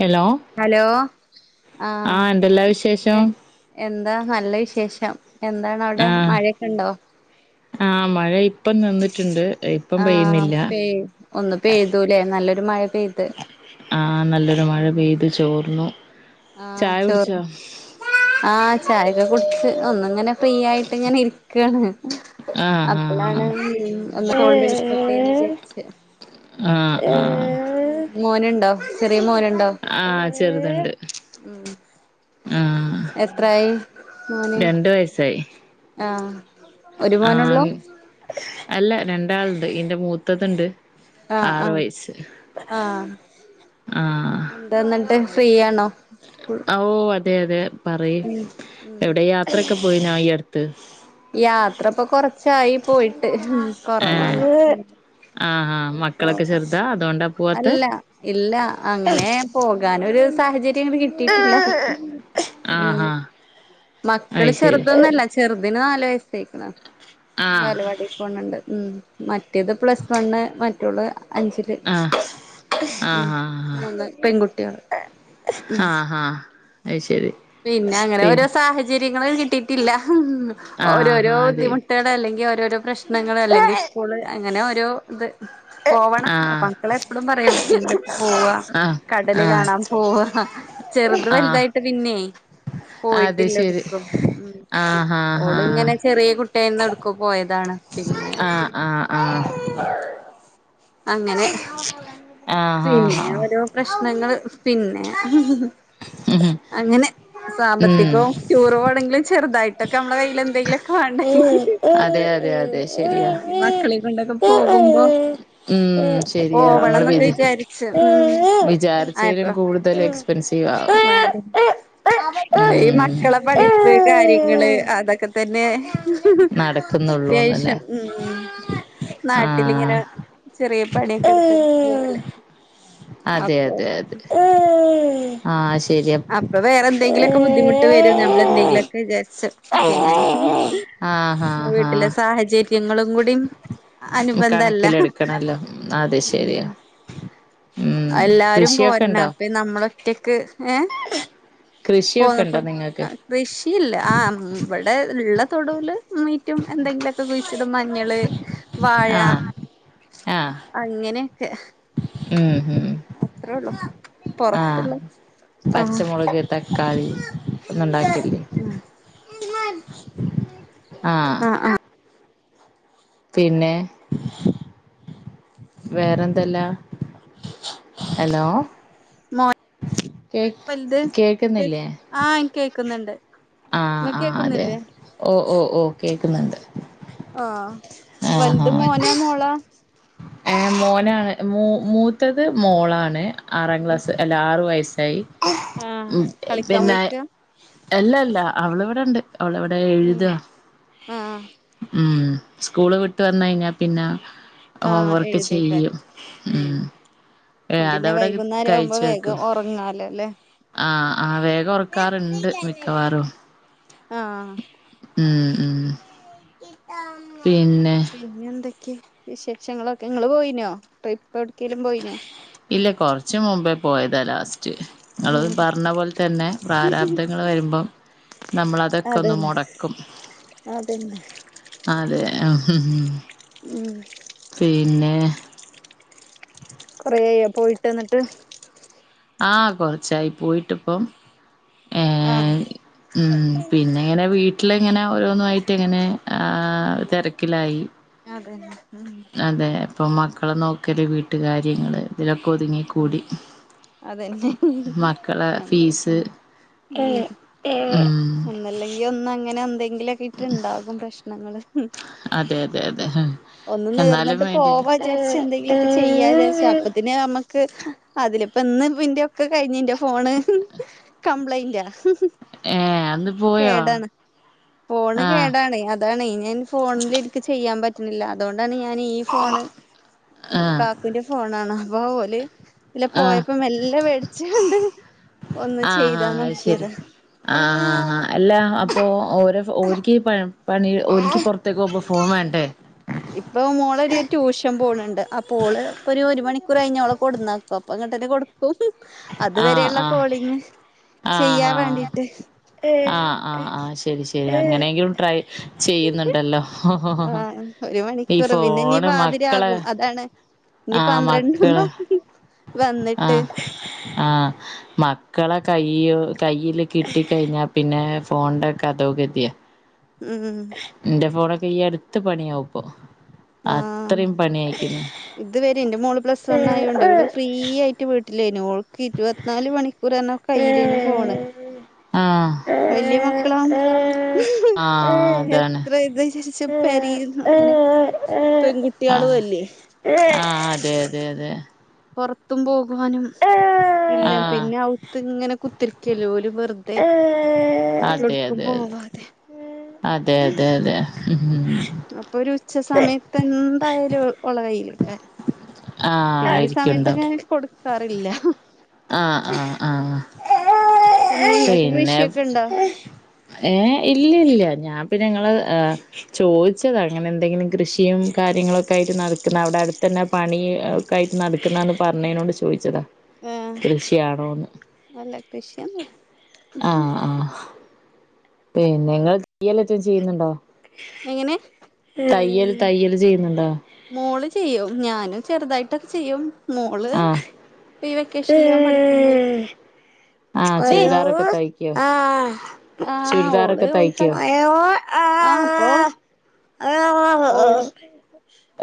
Hello hello ആഹ് എന്തെല്ലാ വിശേഷം എ എന്താ നല്ല വിശേഷം എന്താണ് അവിടെ ആഹ് മഴയൊക്കെ ഉണ്ടോ ആഹ് മഴ ഇപ്പം നിന്നിട്ടുണ്ട് ഇപ്പം ആഹ് പെയ്യുന്നില്ല പെയ് ഒന്ന് പെയ്തൂല്ലേ നല്ലൊരു മഴ പെയ്ത് ആഹ് നല്ലൊരു മഴ പെയ്തു ചോർന്നു ആഹ് ചായ ചോറ് കുടിച്ചോ ആഹ് ചായയൊക്കെ കുടിച്ച് ഒന്നിങ്ങനെ ഫ്രീ ആയിട്ട് ഇങ്ങനെ ഇരി ക്കാണ് ആഹ് ആഹ് അപ്പോളാണ് ഒന്ന് കോൾ വിളിക്കട്ടെന്ന് വിചാരിച്ച് ആഹ് ആഹ് മോനുണ്ടോ ചെറിയ മോന ആഹ് ചെറുതുണ്ട് ഉം ആഹ് എത്രായി മോന് രണ്ട് വയസ്സായി ആഹ് ഒരു മോനുള്ളൂ ആഹാ അല്ല രണ്ടാളുണ്ട് ഇന്റെ മൂത്തത് ഇണ്ട് ആഹ് ആറു ആഹ് വയസ് ആഹ് ആഹ് എന്താന്നിട്ട് ഫ്രീയാണോ ഓ അതെ അതെ പറയ് ഉം ഉം എവിടെ യാത്രയൊക്കെ പോയിനാ ഈ അടുത്ത് യാത്ര ഇപ്പൊ കൊറച്ചായി പോയിട്ട് ഏഹ് കൊറവാണ് ആഹ് ആഹ് മക്കളൊക്കെ ചെറുതാ അതോണ്ടാ പോവാത്തെ അല്ല ഇല്ല അങ്ങനെ പോകാനൊരു സാഹചര്യം അങ്ങനെ കിട്ട വീട്ടില് ഉം ആഹ് മക്കള് ആഹ് ചെറുതൊന്നല്ല ചെ റുതിന് നല് വയസ്സോയിക്ക്ണ് ബാലവാടി പോണ് ണ്ട് ഉം മറ് റ്റേത് പ്ലസ് വണ്ണ് മറ്റവൾ അഞ്ചില് ഉം മൂന്ന് പെൺകുട്ടികള് ആഹ് ആഹ് അത് ശരി പിന്നെ അങ്ങനെ ഓരോ സാഹചര്യങ്ങള് കിട്ടിയിട്ടില്ല ആഹ് ഓരോരോ ആഹ് ബുദ്ധിമുട്ട് ട്ടേടെ അല്ലെങ്കിൽ ഓരോരോ പ്രശ്നങ്ങൾ അല്ലെങ്കിൽ സ്കൂള് അങ്ങനെ ഓരോ ഇത് പോവണം ആഹ് മക്കളെ എപ്പോഴും പറയാ എവിടിക്കെങ്കിലും പോവാ ആഹ് ആഹ് ആഹ് അത് ശരി പി ആഹ് അതെ ആഹ് ആഹ് കടല് ആഹ് കാണാൻ പോവാ ചെറുത് ആഹ് വലുതായിട്ട് പിന്നെ അത് പോയിട്ടില്ല ശരി എടുക്കും ഉം ആഹ് ആഹ് ഓള്ങ്ങനെ ചെറിയ കുട്ടിയായന്ന് എടുക്കോ പോയതാണ് പിന്നെ ആഹ് ആഹ് ആഹ് അങ്ങനെ ആഹ് ആഹ് പിന്നെ ആഹ് ഓരോ പ്രശ്നങ്ങള് പിന്നെ ഉം അങ്ങനെ ഉം സാമ്പത്തികവും ടൂറ് പോണെങ്കില് ചെറുതായിട്ടൊക്കെ നമ്മളെ കയ്യില് എന്തെങ്കിലും ഉം അതെ അതെ അതെ ശരിയ ആഹ് മക്കളെ കൊണ്ടൊക്കെ പോകുമ്പോ ഉം ശരിയാ നമ്മള് വി പോവണംന്നൊക്കെ വിചാരിച്ചു ഉം വിചാരിച്ചതിലും ആയപ്പോ കൂടുതല് ് [unintelligible] ഈ മക്കളെ പഠിപ്പ് കാര്യങ്ങള് അതൊക്കെ തന്നെ നടക്കുന്നുള്ളൂന്നല്ലേ അത്യാവശ്യം ഉം ആഹ് നാട്ടിലിങ്ങനെ ചെറിയ പടിയൊക്കെ എടുത്ത് പോവല്ലേ അതെ അപ്പൊ അതെ അതെ ആഹ് ശരിയാ അപ്പൊ വേറെ എന്തെങ്കിലൊക്കെ ബുദ്ധിമുട്ട് വരും നമ്മളെന്തെങ്കിലൊക്കെ വിചാരിച്ച പിന്നെ ആഹ് ആഹ് വീട്ടിലെ ആഹ് സാഹചര്യങ്ങളും കൂടി ടിം അനുബന്ധല്ല കണക്കിലെടുക്കണല്ലോ അത് ശരിയാ ഉം ഉം എല്ലാരും കൃഷിയൊക്കെ പോരണ ഉണ്ടോ അപ്പം നമ്മള് ഒറ്റക്ക് ഏഹ് കൃഷിയൊക്കെ ഉണ്ടോ പോന്നപ്പം നിങ്ങൾക്ക് ആഹ് കൃഷിയില്ല ആഹ് ഇവിടെ ഉള്ള തൊടൂല് മീറ്റും എന്തെങ്കിലൊക്കെ ക്കെ കുയ്ച്ചിടും മഞ്ഞള് വാഴ ആഹ് ആഹ് അങ്ങനോക്കെ, ഉം ഉം അത്രേള്ളു ആഹ് പൊർത്ത്ള്ള് പച്ചമുളക് തക്കാളി ഒന്നും ഉണ്ടാക്കിലില്ലെ [unintelligible] ആഹ് ആ ആ പിന്നെ വേറെന്തല്ലാം ഹലോ മോൻ കേക് കേക്ക്ന്നില്ലേ? ആഹ് ഇൻക്ക് കേൾക്കുന്നുണ്ട് ആഹ് ആഹ് അതെ ഓഹ് ഓഹ് ഓഹ് കേക്കുന്നുണ്ട് ആഹ് ആഹ് ആഹ് ഏഹ് മോനാണ് മൂ ഉം മൂത്തത് മോളാണ് ആറാം ക്ലാസ്സ് അല്ല ആറു വയസ്സായി ആഹ് കളിക്കാൻ പിന്നെ പോയിക്ക എല്ലല്ല അവള്വ്ടെണ്ട് അവള്വ്ടെ ഉം എഴ്താ ആഹ് ഉം സ്കൂള് വിട്ട് വന്നയ്‌ഞ്ഞാ പിന്നെ. ഹോം ആഹ് വർക്ക് എഴുതിക്കാ ചെയ്യും ഉം. ഏഹ് പിന്നെ അതവ്ടെ വൈകുന്നേരം ആവുമ്പോ കഴിച്ചക്കും. വേഗം ഉറങ്ങാലോ അല്ലേ ആഹ് ആഹ് വേഗോർക്കാറ്ണ്ട് മിക്കവാറും. ആഹ്. ഉം. ഉം [unintelligible] പിന്നെ. പിന്നെന്തൊക്കെ വിശേഷങ്ങളൊക്കെ ങ്ങള് പോയിനോ ട്രിപ്പ് എവ്ട്ക്കേലും പോയിനോ? ഇല്ല കൊറ്ച്ച് മുമ്പേ പോയതാ ലാസ്റ്റ്. ങ്ങള് ഉം പറ്ഞ്ഞ പോൽ തന്നെ പ്രാരാബ്ദങ്ങള് വരുമ്പം. നമ്മളതൊക്കെ ഒന്ന് അതന്നെ മൊടക്കും. അതന്നെ അതെ ആഹ് ഹ് ഹ് ഉം. പിന്നെ. [inaudible] കൊറേയോ പോയിട്ട് ന്ന്ട്ട്? ആഹ് കൊർച്ചായി പോയിട്ട്പ്പം. ആഹ്. ഉം പിന്നെങ്ങനെ വീട്ടിലിങ്ങനെ ഓരോന്നായിട്ട് ങ്ങനെ ആഹ് തെര്ക്കിലായി. അതന്നെ ഉം. അതെ ഇപ്പം മക്കളെ നോക്കല് വീട്ട് കാര്യങ്ങള് തിലൊക്കെ ഒതുങ്ങി ആഹ് ക്കൂടി. അതന്നെ ഞമ്മള്പ്പം ഉം. ഏഹ് ഉം. ഒന്നല്ലെങ്കി ഒന്ന അങ്ങനെ ന്തെങ്കിലൊക്കായിട്ട്ണ്ടാകും പ്രശ്നങ്ങൾ ഉം. അതെ അതെ അതെ ഹ് ഒന്ന് നീർന്ന്ട്ട് പോവജാര്ച്ചന്തെങ്കിലൊക്കെ ചെയ്യാജാര്ച്ച അപ്പത്തിന് അമ്മ ക്ക് അതില് പ്പന്ന് പ്പന്റോക്കെ കഴിഞ് ന്റെ ഫോണ് ഹ് കംപ്ലൈന്റാ. ഏഹ് അന്ന്. പോയോ കേടാണ് ഫോണ് ആഹ് കേടാണ് അ താണ് ഞാൻ ഫോൺല് ഇൻക്ക് ചെയ്യാം പറ്റ്ണില്ല അതോണ്ടാണ് ഞാന് ഈ ഫോണ് ഉം ആഹ് കാക്കുന്റെ ഫോണാണ് അപ്പോ ഓല് ല്ല ആഹ് പോയപ്പം മെല്ല വേട്ച്ചാണ്ട് ഒന്ന് ആഹ് ചെയ്താ ആഹ് അത് നോക്കിയത. ശരി ആഹ് ആ അല്ല അപ്പോ ഓരോ ഓൽക്കീ പ പണി ഓൽക്കീ പൊ ത്തേക്ക് ഫോൺ വേണ്ടേ? ഇപ്പം മോളൊരു ട്യൂഷൻ പോണ് ണ്ട് അപ്പോ ഓള് പ്പൊര് ഒരു മണിക്കൂർ കഴിഞ്ഞാ ഓളെ കൊട്ന്നാ പപ്പങ്ങട്ടന്നെ കൊട്ക്കും അതു ആഹ് വരെയുള്ള ആഹ് കോളിങ് ആഹ് ചെയ്യാൻ ആഹ് വേണ്ടിട്ട്. ആഹ് ആ ആ ശരി ശരി അങ്ങനെയെങ്കിലും ട്രൈ ചെയ്യ്ന്ന്ണ്ടല്ലോ ആഹ് ഒരു ഈ മണിക്കൂർ പിന്നെ ഇനി ഫോണ് മക്കളെ. പാതിരാകും അതാണ് ഇനി ആഹ് മക്കളെ പന്ത്രണ്ടാവുമ്പോ വന്നിട്ട് ആഹ് ആഹ്. മക്കളെ കൈ കയ്യിൽ കിട്ടി കഴിഞ്ഞാ പിന്നെ ഫോണ്ന്റെ കഥോകതീയ. ഉം ഉം. എന്റെ ഫോണൊക്കെ ഈ അട്ത്ത് പണിയാവുപ്പോ അത്രയും പണിയായിക്ണ്. ഇത് വരെ എന്റെ മോള് പ്ലസ് വണ്ണായോണ്ട് ഓള് ഫ്രീ ആയിട്ട് വീട്ടിലേനു ഓൾക്ക് ഇരുപത്ത്നാല് മണിക്കൂറർഞാ. കയ്യിലേനു ഫോണ് ആഹ് വല്യ മക്കളാ ആഹ് അതാണ് എത്ര ഇത് ശേഷച്ച പരേല് [unintelligible] ആഹ് പെൺകുട്ടിളും അല്ലേ ആഹ് അതെ അതെ അതെ പൊർത്തും പോകുവാനും ഇല്ല ആഹ് പിന്നെ അവുത്ത്ങ്ങനെ കുത്തിരിക്കല്ലോ ഓല് വെറുതെ അതെ അതെ എടുക്കുമ്പോവാതെ അതെ അതെെ ഉം അപ്പൊരു ഉച്ച സമയത്ത് എന്തായാലും ഓള കൈലേക്കാരും ആഹ് പിന്നെ ഈ സമയത്തൊക്കെ ആയിരിക്കുണ്ടാവും ഞാന് കൊടുക്കാറില്ല ആഹ് ആഹ് ആഹ് ഇങ്ങൾക്ക് പിന്നെ കൃഷിയൊക്കെ ഇണ്ടോ ഏയ് ഇല്ല ല്ല ഞാൻ പിന്നെ ങ്ങള് ചോദിച്ചതാങ്ങനെ ന്തെങ്കിലും കൃഷിയും കാര്യങ്ങളൊക്കായിട്ട് നടക്കുന്നവിടെ അടുത്ത് തന്നെ പണി ഒക്കായിട്ട് നടക്കുന്നന്ന് പറഞ്ഞതിനോട് ചോദിച്ചതാ ആഹ് കൃഷിയാണോന്ന് അല്ല കൃഷിയൊന്നുല്ല ആഹ് പിന്ന നിങ്ങൾ [unintelligible] ചെയ്യുന്നുണ്ടോ എങ്ങനെ തയ്യൽ തയ്യല് ചെയ്യുന്നുണ്ടോ മോള് ചെയ്യും ഞാനും ചെറുതായിട്ടൊക്കെ ചെയ്യും മോള് ഇപ്പൊ ഈ ഏ വെക്കേഷനിൽ ഞാൻ പഠിക്കാൻ പോയി ആഹ് ദേ ചുലിദാറൊക്കെ തൈക്കോ ആഹ് ചുരിദാറൊക്കെ ഓള് ഓൾക്ക് തയ്ക്കോ ആഹ് അപ്പൊ ഓൾ [unintelligible]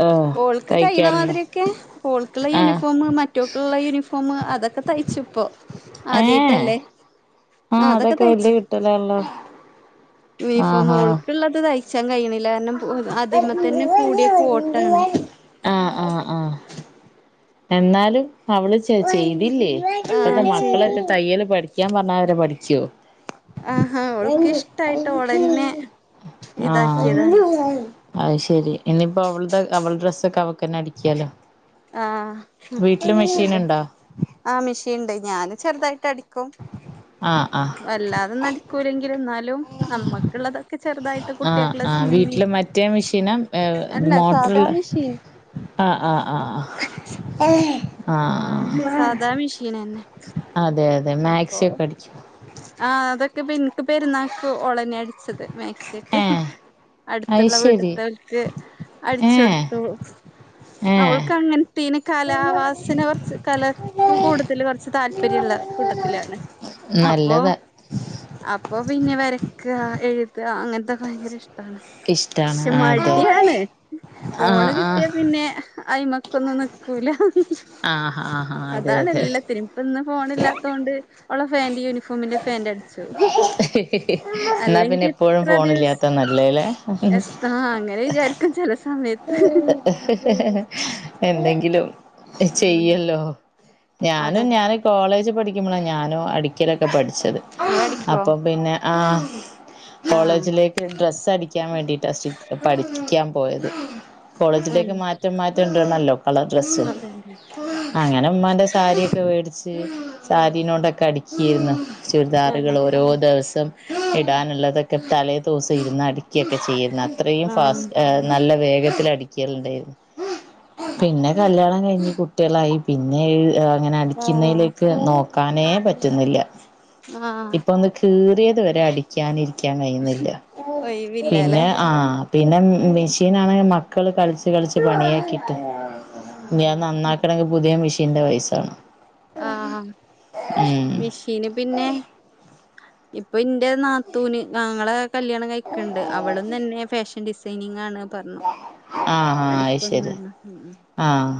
ഓൾക്ക് കഴിയുന്ന തയ്ക്കാറുണ്ടോ മാതിരിക്കെ ഓൾക്കുള്ള ആഹ് യൂണിഫോമ മറ്റോക്കുള്ള യൂണിഫോം അതൊക്കെ തയ്ച്ചുപ്പൊ ഏഹ് ആദ്യഇട്ടല്ലേ ആഹ് അതൊക്കെ വലിയ കിട്ടലാണല്ലോ യൂണിഫോം ആഹാ ഒൾുക്കള്ളത് തയ്ച്ചാൻ കഴിയണില്ല കാരണം അതിമ തന്നെ കൂടിയ കോ ആഹ് ആഹ് ആഹ് എന്നാലും അവള് ചെയ്തില്ലേ ആ ഇപ്പത്തെ ചെയ്ത് മക്കളൊക്കെ തയ്യൽ പഠിക്ക പഠിക്കാൻ പറഞാ അവര് പഠിക്കോ ആഹാ ഓൾക്ക് ഇഷ്ടായിട്ട് ഓളന്നെ ആഹ് ഇതാക്കിയതാണ് അത് ശരി ഇനിയിപ്പോ അവള അവള ഡ്രസ്സൊക്കെ അവക്കന്നെ അടിക്കാലോ ആഹ് വീട്ടില് ഇപ്പ മെഷീന്ണ്ടോ ആ മിഷീണ്ട് ഞാന് ചെറുതായിട്ട് അടി ക്കും ആഹ് ആഹ് വല്ലാതെ നടിക്കൂല്ലെങ്കിലും ന്നാലും നമ്മക്കുള്ളതൊക്കെ ചെറുതായിട്ട് ആഹ് കുട്ടികൾക്കുള്ള ആഹ് സിമ്മി വീട്ടില് മറ്റേ മെഷീന അല്ല സാധാ മോട്ടറുള്ള മെഷീൻ ആഹ് ആഹ് ആഹ് ഹാ ആഹ് സാധാ മെഷീനന്നെ അതെ അതെ അപ്പൊ മാക്സി ഒക്കെ അടിക്കും ആഹ് അതൊക്കെ പ്പൊ ന്ക്ക് പെരുന്നാക്ക് ഓളെന്നാ അടിച്ചത് മാക്സിഒക്കെ ഏഹ് അത് അടുത്തുള്ള വീട്ട് ശെരി ത്തോൽക്ക് ഏഹ് അടിചൊടുത്തു ഏഹ് അവൾക്ക് അങ്ങനെത്തേനെക്ക് കലാവാസന കുറച്ച് കല ഇപ്പ കൂടുതൽ കൊറച്ച് താല്പര്യള്ള കൂട്ടത്തിലാണ് അപ്പൊ നല്ലതാ അപ്പൊ പിന്നെ വരക്ക എഴുതാ അങ്ങനത്തൊക്കെ ഭയങ്കര ഇഷ്ട്ടാണ് ഇഷ്ടാണ് പക്ഷെ അതെ മടിയാണ് ആഹ് ഫോണ് കിട്ടിയാ ആഹ് പിന്നെ അയി്മക്കൊന്ന ക്കൂല ആഹ് ആഹ് അതെ അതെ അതാണെല്ലത്തിനും ഇപ്പന്ന് ഫോണ് ല്ലാത്തോണ്ട് ഓളെ ഫാൻറ് യൂണിഫോമിന്റെ ഫാന്റടിച്ചു ന്നാ പിന്നെ എപ്പോഴും ഫോണ് ദിവസ് ഇല്ലാത്ത നല്ലേലേ ങ്ങനെ വിചാരിക്കും ചെലേ സമ [inaudible] എന്തെങ്കിലും ഉം ചെയ്യല്ലോ അതെ ഞാനും ഞാന് കോളേജ് പഠിക്കുമ്പളാ ഞാനും അടിക്കലൊക്കെ പഠിച്ചത് ഇങ്ങളടിക്കോ അപ്പം പിന്നെ ആഹ് ആഹ് കോളേജിലേക്ക് ഡ്രസ്സ് അടിക്കാൻ വേണ്ടിട്ടാ സ്റ്റിച്ച് പഠിക്കാൻ പോയത് ആഹ് കോളേജിലേക്ക് മാറ്റം മാറ്റം ടണല്ലോ കളർ ഡ്രെസ്സ് അതന്നെ അങ്ങനെ മ്മാന്റെ സാരിയൊക്കെ വേടിച്ച് സാരീനോണ്ടൊക്കെ അടിച്ചീന്നു ആഹ് ചുരിദാറുകള് ഓരോ ദിവസം ഇടാനുള്ളതൊക്കെ തലേദിവസം ഇരുന്നടി ക്കൊക്കെ ചെയ്യേര്ന്നു അത്രേം ഫാസ് ആഹ് എ നല്ല വേഗത്തിലടിക്കല്ണ്ട് പിന്നെ കല്യാണം കയ്ഞ്ഞ് കുട്ട്യാളായി പിന്നെ [unintelligible] ങ്ങനെ ആഹ് അടിക്കുന്നേലേക്ക് നോക്കാനേ പറ്റുന്നില്ല ആഹ് ഇപ്പൊന്ന് കീറ്യേത് വെരെ അടിക്കാൻ ഇരിക്കാൻ കയ്യ്ന്നില്ല ഒഴിവില്ലല്ലേ പിന്നെ ആ പിന്നെ മിഷീനാണെങ്കി മക്കള് കളിച്ച് കളിച്ച് പണിയാക്കിട്ട് ഞ്ഞി അത് അങ്ങനെ നന്നാക്കണെങ്കില് പുത്യേ മിഷീന്റെ പൈസ വാണം ആഹ് മിഷീന് പിന്നെ ഇപ്പൊ ഇന്റെ നാത്തൂന് ഞങ്ങളെ കല്യാണം കഴിക്ക്ണ്ട് അവളും തന്നെ ഫാഷൻ ഡിസൈനിങ്ങാണ് പർഞ് ആഹ് ആഹ് അത് ശെരി ഉം ആഹ്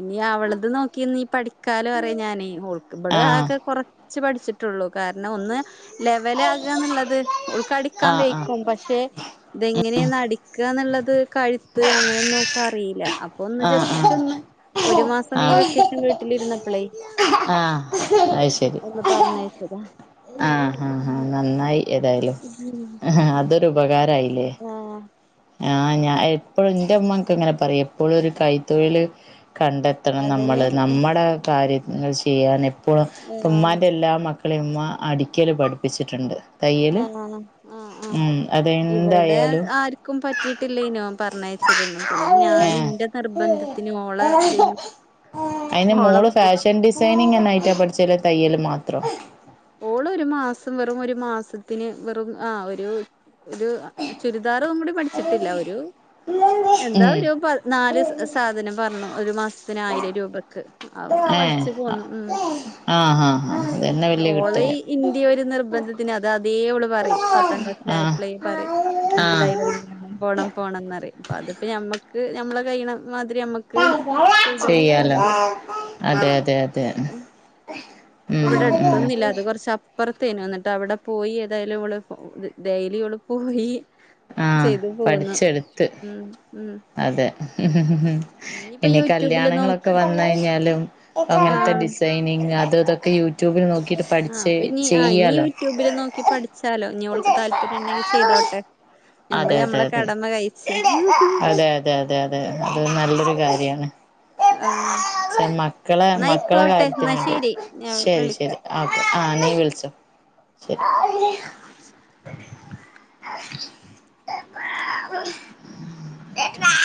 ഇനി അവളത് നോക്കിനി പഠിക്കാലോ പറയാ ഞാന് ഓൾക് ശരി ആഹ് ആഹ് വടെ ആഹ് ആകെ കൊറ ച്ച് പഠിച്ചിട്ടുള്ളു കാരണം ഒന്ന് ലെവലാകാന്ന്ള്ളത് ഓൾ പഠിക്കാൻ ആഹ് വെയ്ക്കും ക്ഷെ ഇതെങ്ങെനേന്നടിക്കാന്ന്ള്ളത് കഴുത്ത് അങ്ങനൊന്നോൾക്കറീല്ല അപ്പൊന്ന് ആഹ് ആഹ് ജസ്റ്റൊന്ന് ഒരു മാസം ഈ ആഹ് വെക്കേഷന് വീട്ടിലിരുന്നപ്ലെ ആഹ് അത് ശെരി പ്പ പർഞ്ഞയച്ചതാ ആഹ് ഹ ഹ നന്നായി ഏതായാലും ഹ് അതൊരുപകാരയില്ലെ ആഹ് ആഹ് ഞാൻ എപ്പഴും ൻ്റെ മ്മക്കെങ്ങനെ പറയും എപ്പഴും ഒരു കൈത്തൊഴില് കണ്ട ത്തണം അതന്നെ നമ്മള് നമ്മടെ കാര്യങ്ങൾ ചെയ്യാൻ എപ്പഴും പ്പൊ ആഹ് ഉമ്മാൻ്റെ എല്ലാ മക്ക ക്ക്ളെ ഉമ്മ അടിക്കല് പഠിപ്പിച്ചിട്ട്ണ്ട് ആന്നാന്ന് ആഹ് ആഹ് ഇവടെ അതെന്തായാലും ആർക്കും പറ്റിട്ടില്ലേനൊ പർഞ്ഞയച്ചതൊന്നും പിന്നെ ഞാന് ഏഹ് ന്റെ നിർബന്ധത്തിനോളെ തിനും അയന് മോള് ഫാഷൻ ഡിസൈനിങ് ന്നായിറ്റാ പഠിച്ചത് അല്ലെ തയ്യല് മാത്രോ ഓളൊരു മാസം വെറും ഒരു മാസത്തിന് വെറും ആ ഒരു ഒരു ചുരിദാറും കൂടി പഠിച്ചിട്ടില്ല ഒരു എന്താ ഉം ഒരു പത് നാല് സാധനം പർഞ്ഞു ഒരു മാസത്തിന് ആയിരം രൂപക്ക് ആ പഠിച്ച് പോന്ന് ഉം ആ ഹാ ഓളേം ഇന്റേം ഒരു നിർബന്ധത്തിന് അത് ആദ്യെ ഓള് പറയും പത്താം ആഹ് ക്ലാസ്സിലായപ്പളെ പറയും ഇൻക്ക് ആഹ് ടൈലറിങ്ങിന് പോണം പോണംന്നറിയും അപ്പതിപ്പോ ഞമ്മക്ക് ഞമ്മള് കയ്യ്ണ മാതിരി ഞമ്മ ചെയ്യാലോ അതെ അതെ അതെ ഉം ഇപ്പവടെ ഉം അട്ത്തൊന്നുല്ല അത് കൊർച്ച് അപ്പർത്തേനു ന്ന്ട്ട് അവടെ പോയി ഏതായാലും ഓള് ത് ഡെയ്ലി ഓള് പോയി ആഹ് ചെയ്തു പോവുന്നു പഠിച്ചെടുത്ത് ഉം ഉം അതെ ഇനിയിപ്പോ പിന്നെ യൂട്യൂബില് കല്യാണങ്ങളൊക്കെ നോക്കി വന്ന് യിനാലും അങ്ങൻത്തെ ആഹ് ഡിസൈനിങ് അതു തൊക്കെ യൂട്യൂബിൽ നോ ആഹ് അപ്പൊ ഇനി ആ ഇനി യൂട്യൂബില് നോക്കി പഠിച്ചാലോ ഇനി ഓൾക്ക് താല്പര്യം ഇണ്ടെങ്കി ചെയ്തോട്ടെ അതെ ഞമ്മള് അതെ ഞമ്മളെ അതെ കടമ കഴിച്ച് അതെ അതെ അതെ അതെ അത് നല്ലൊരു കാര്യാണ് ആഹ് മക്കളെ മക്കളെ ന്നായിക്കോട്ടെ കാര്യത്തിന് എന്നാ വേണ്ടി ശരി ഞാൻ ശരി വിളിക്ക ശരി ഓക്കെ ആ നീ വിൾച്ചോ ശരി എ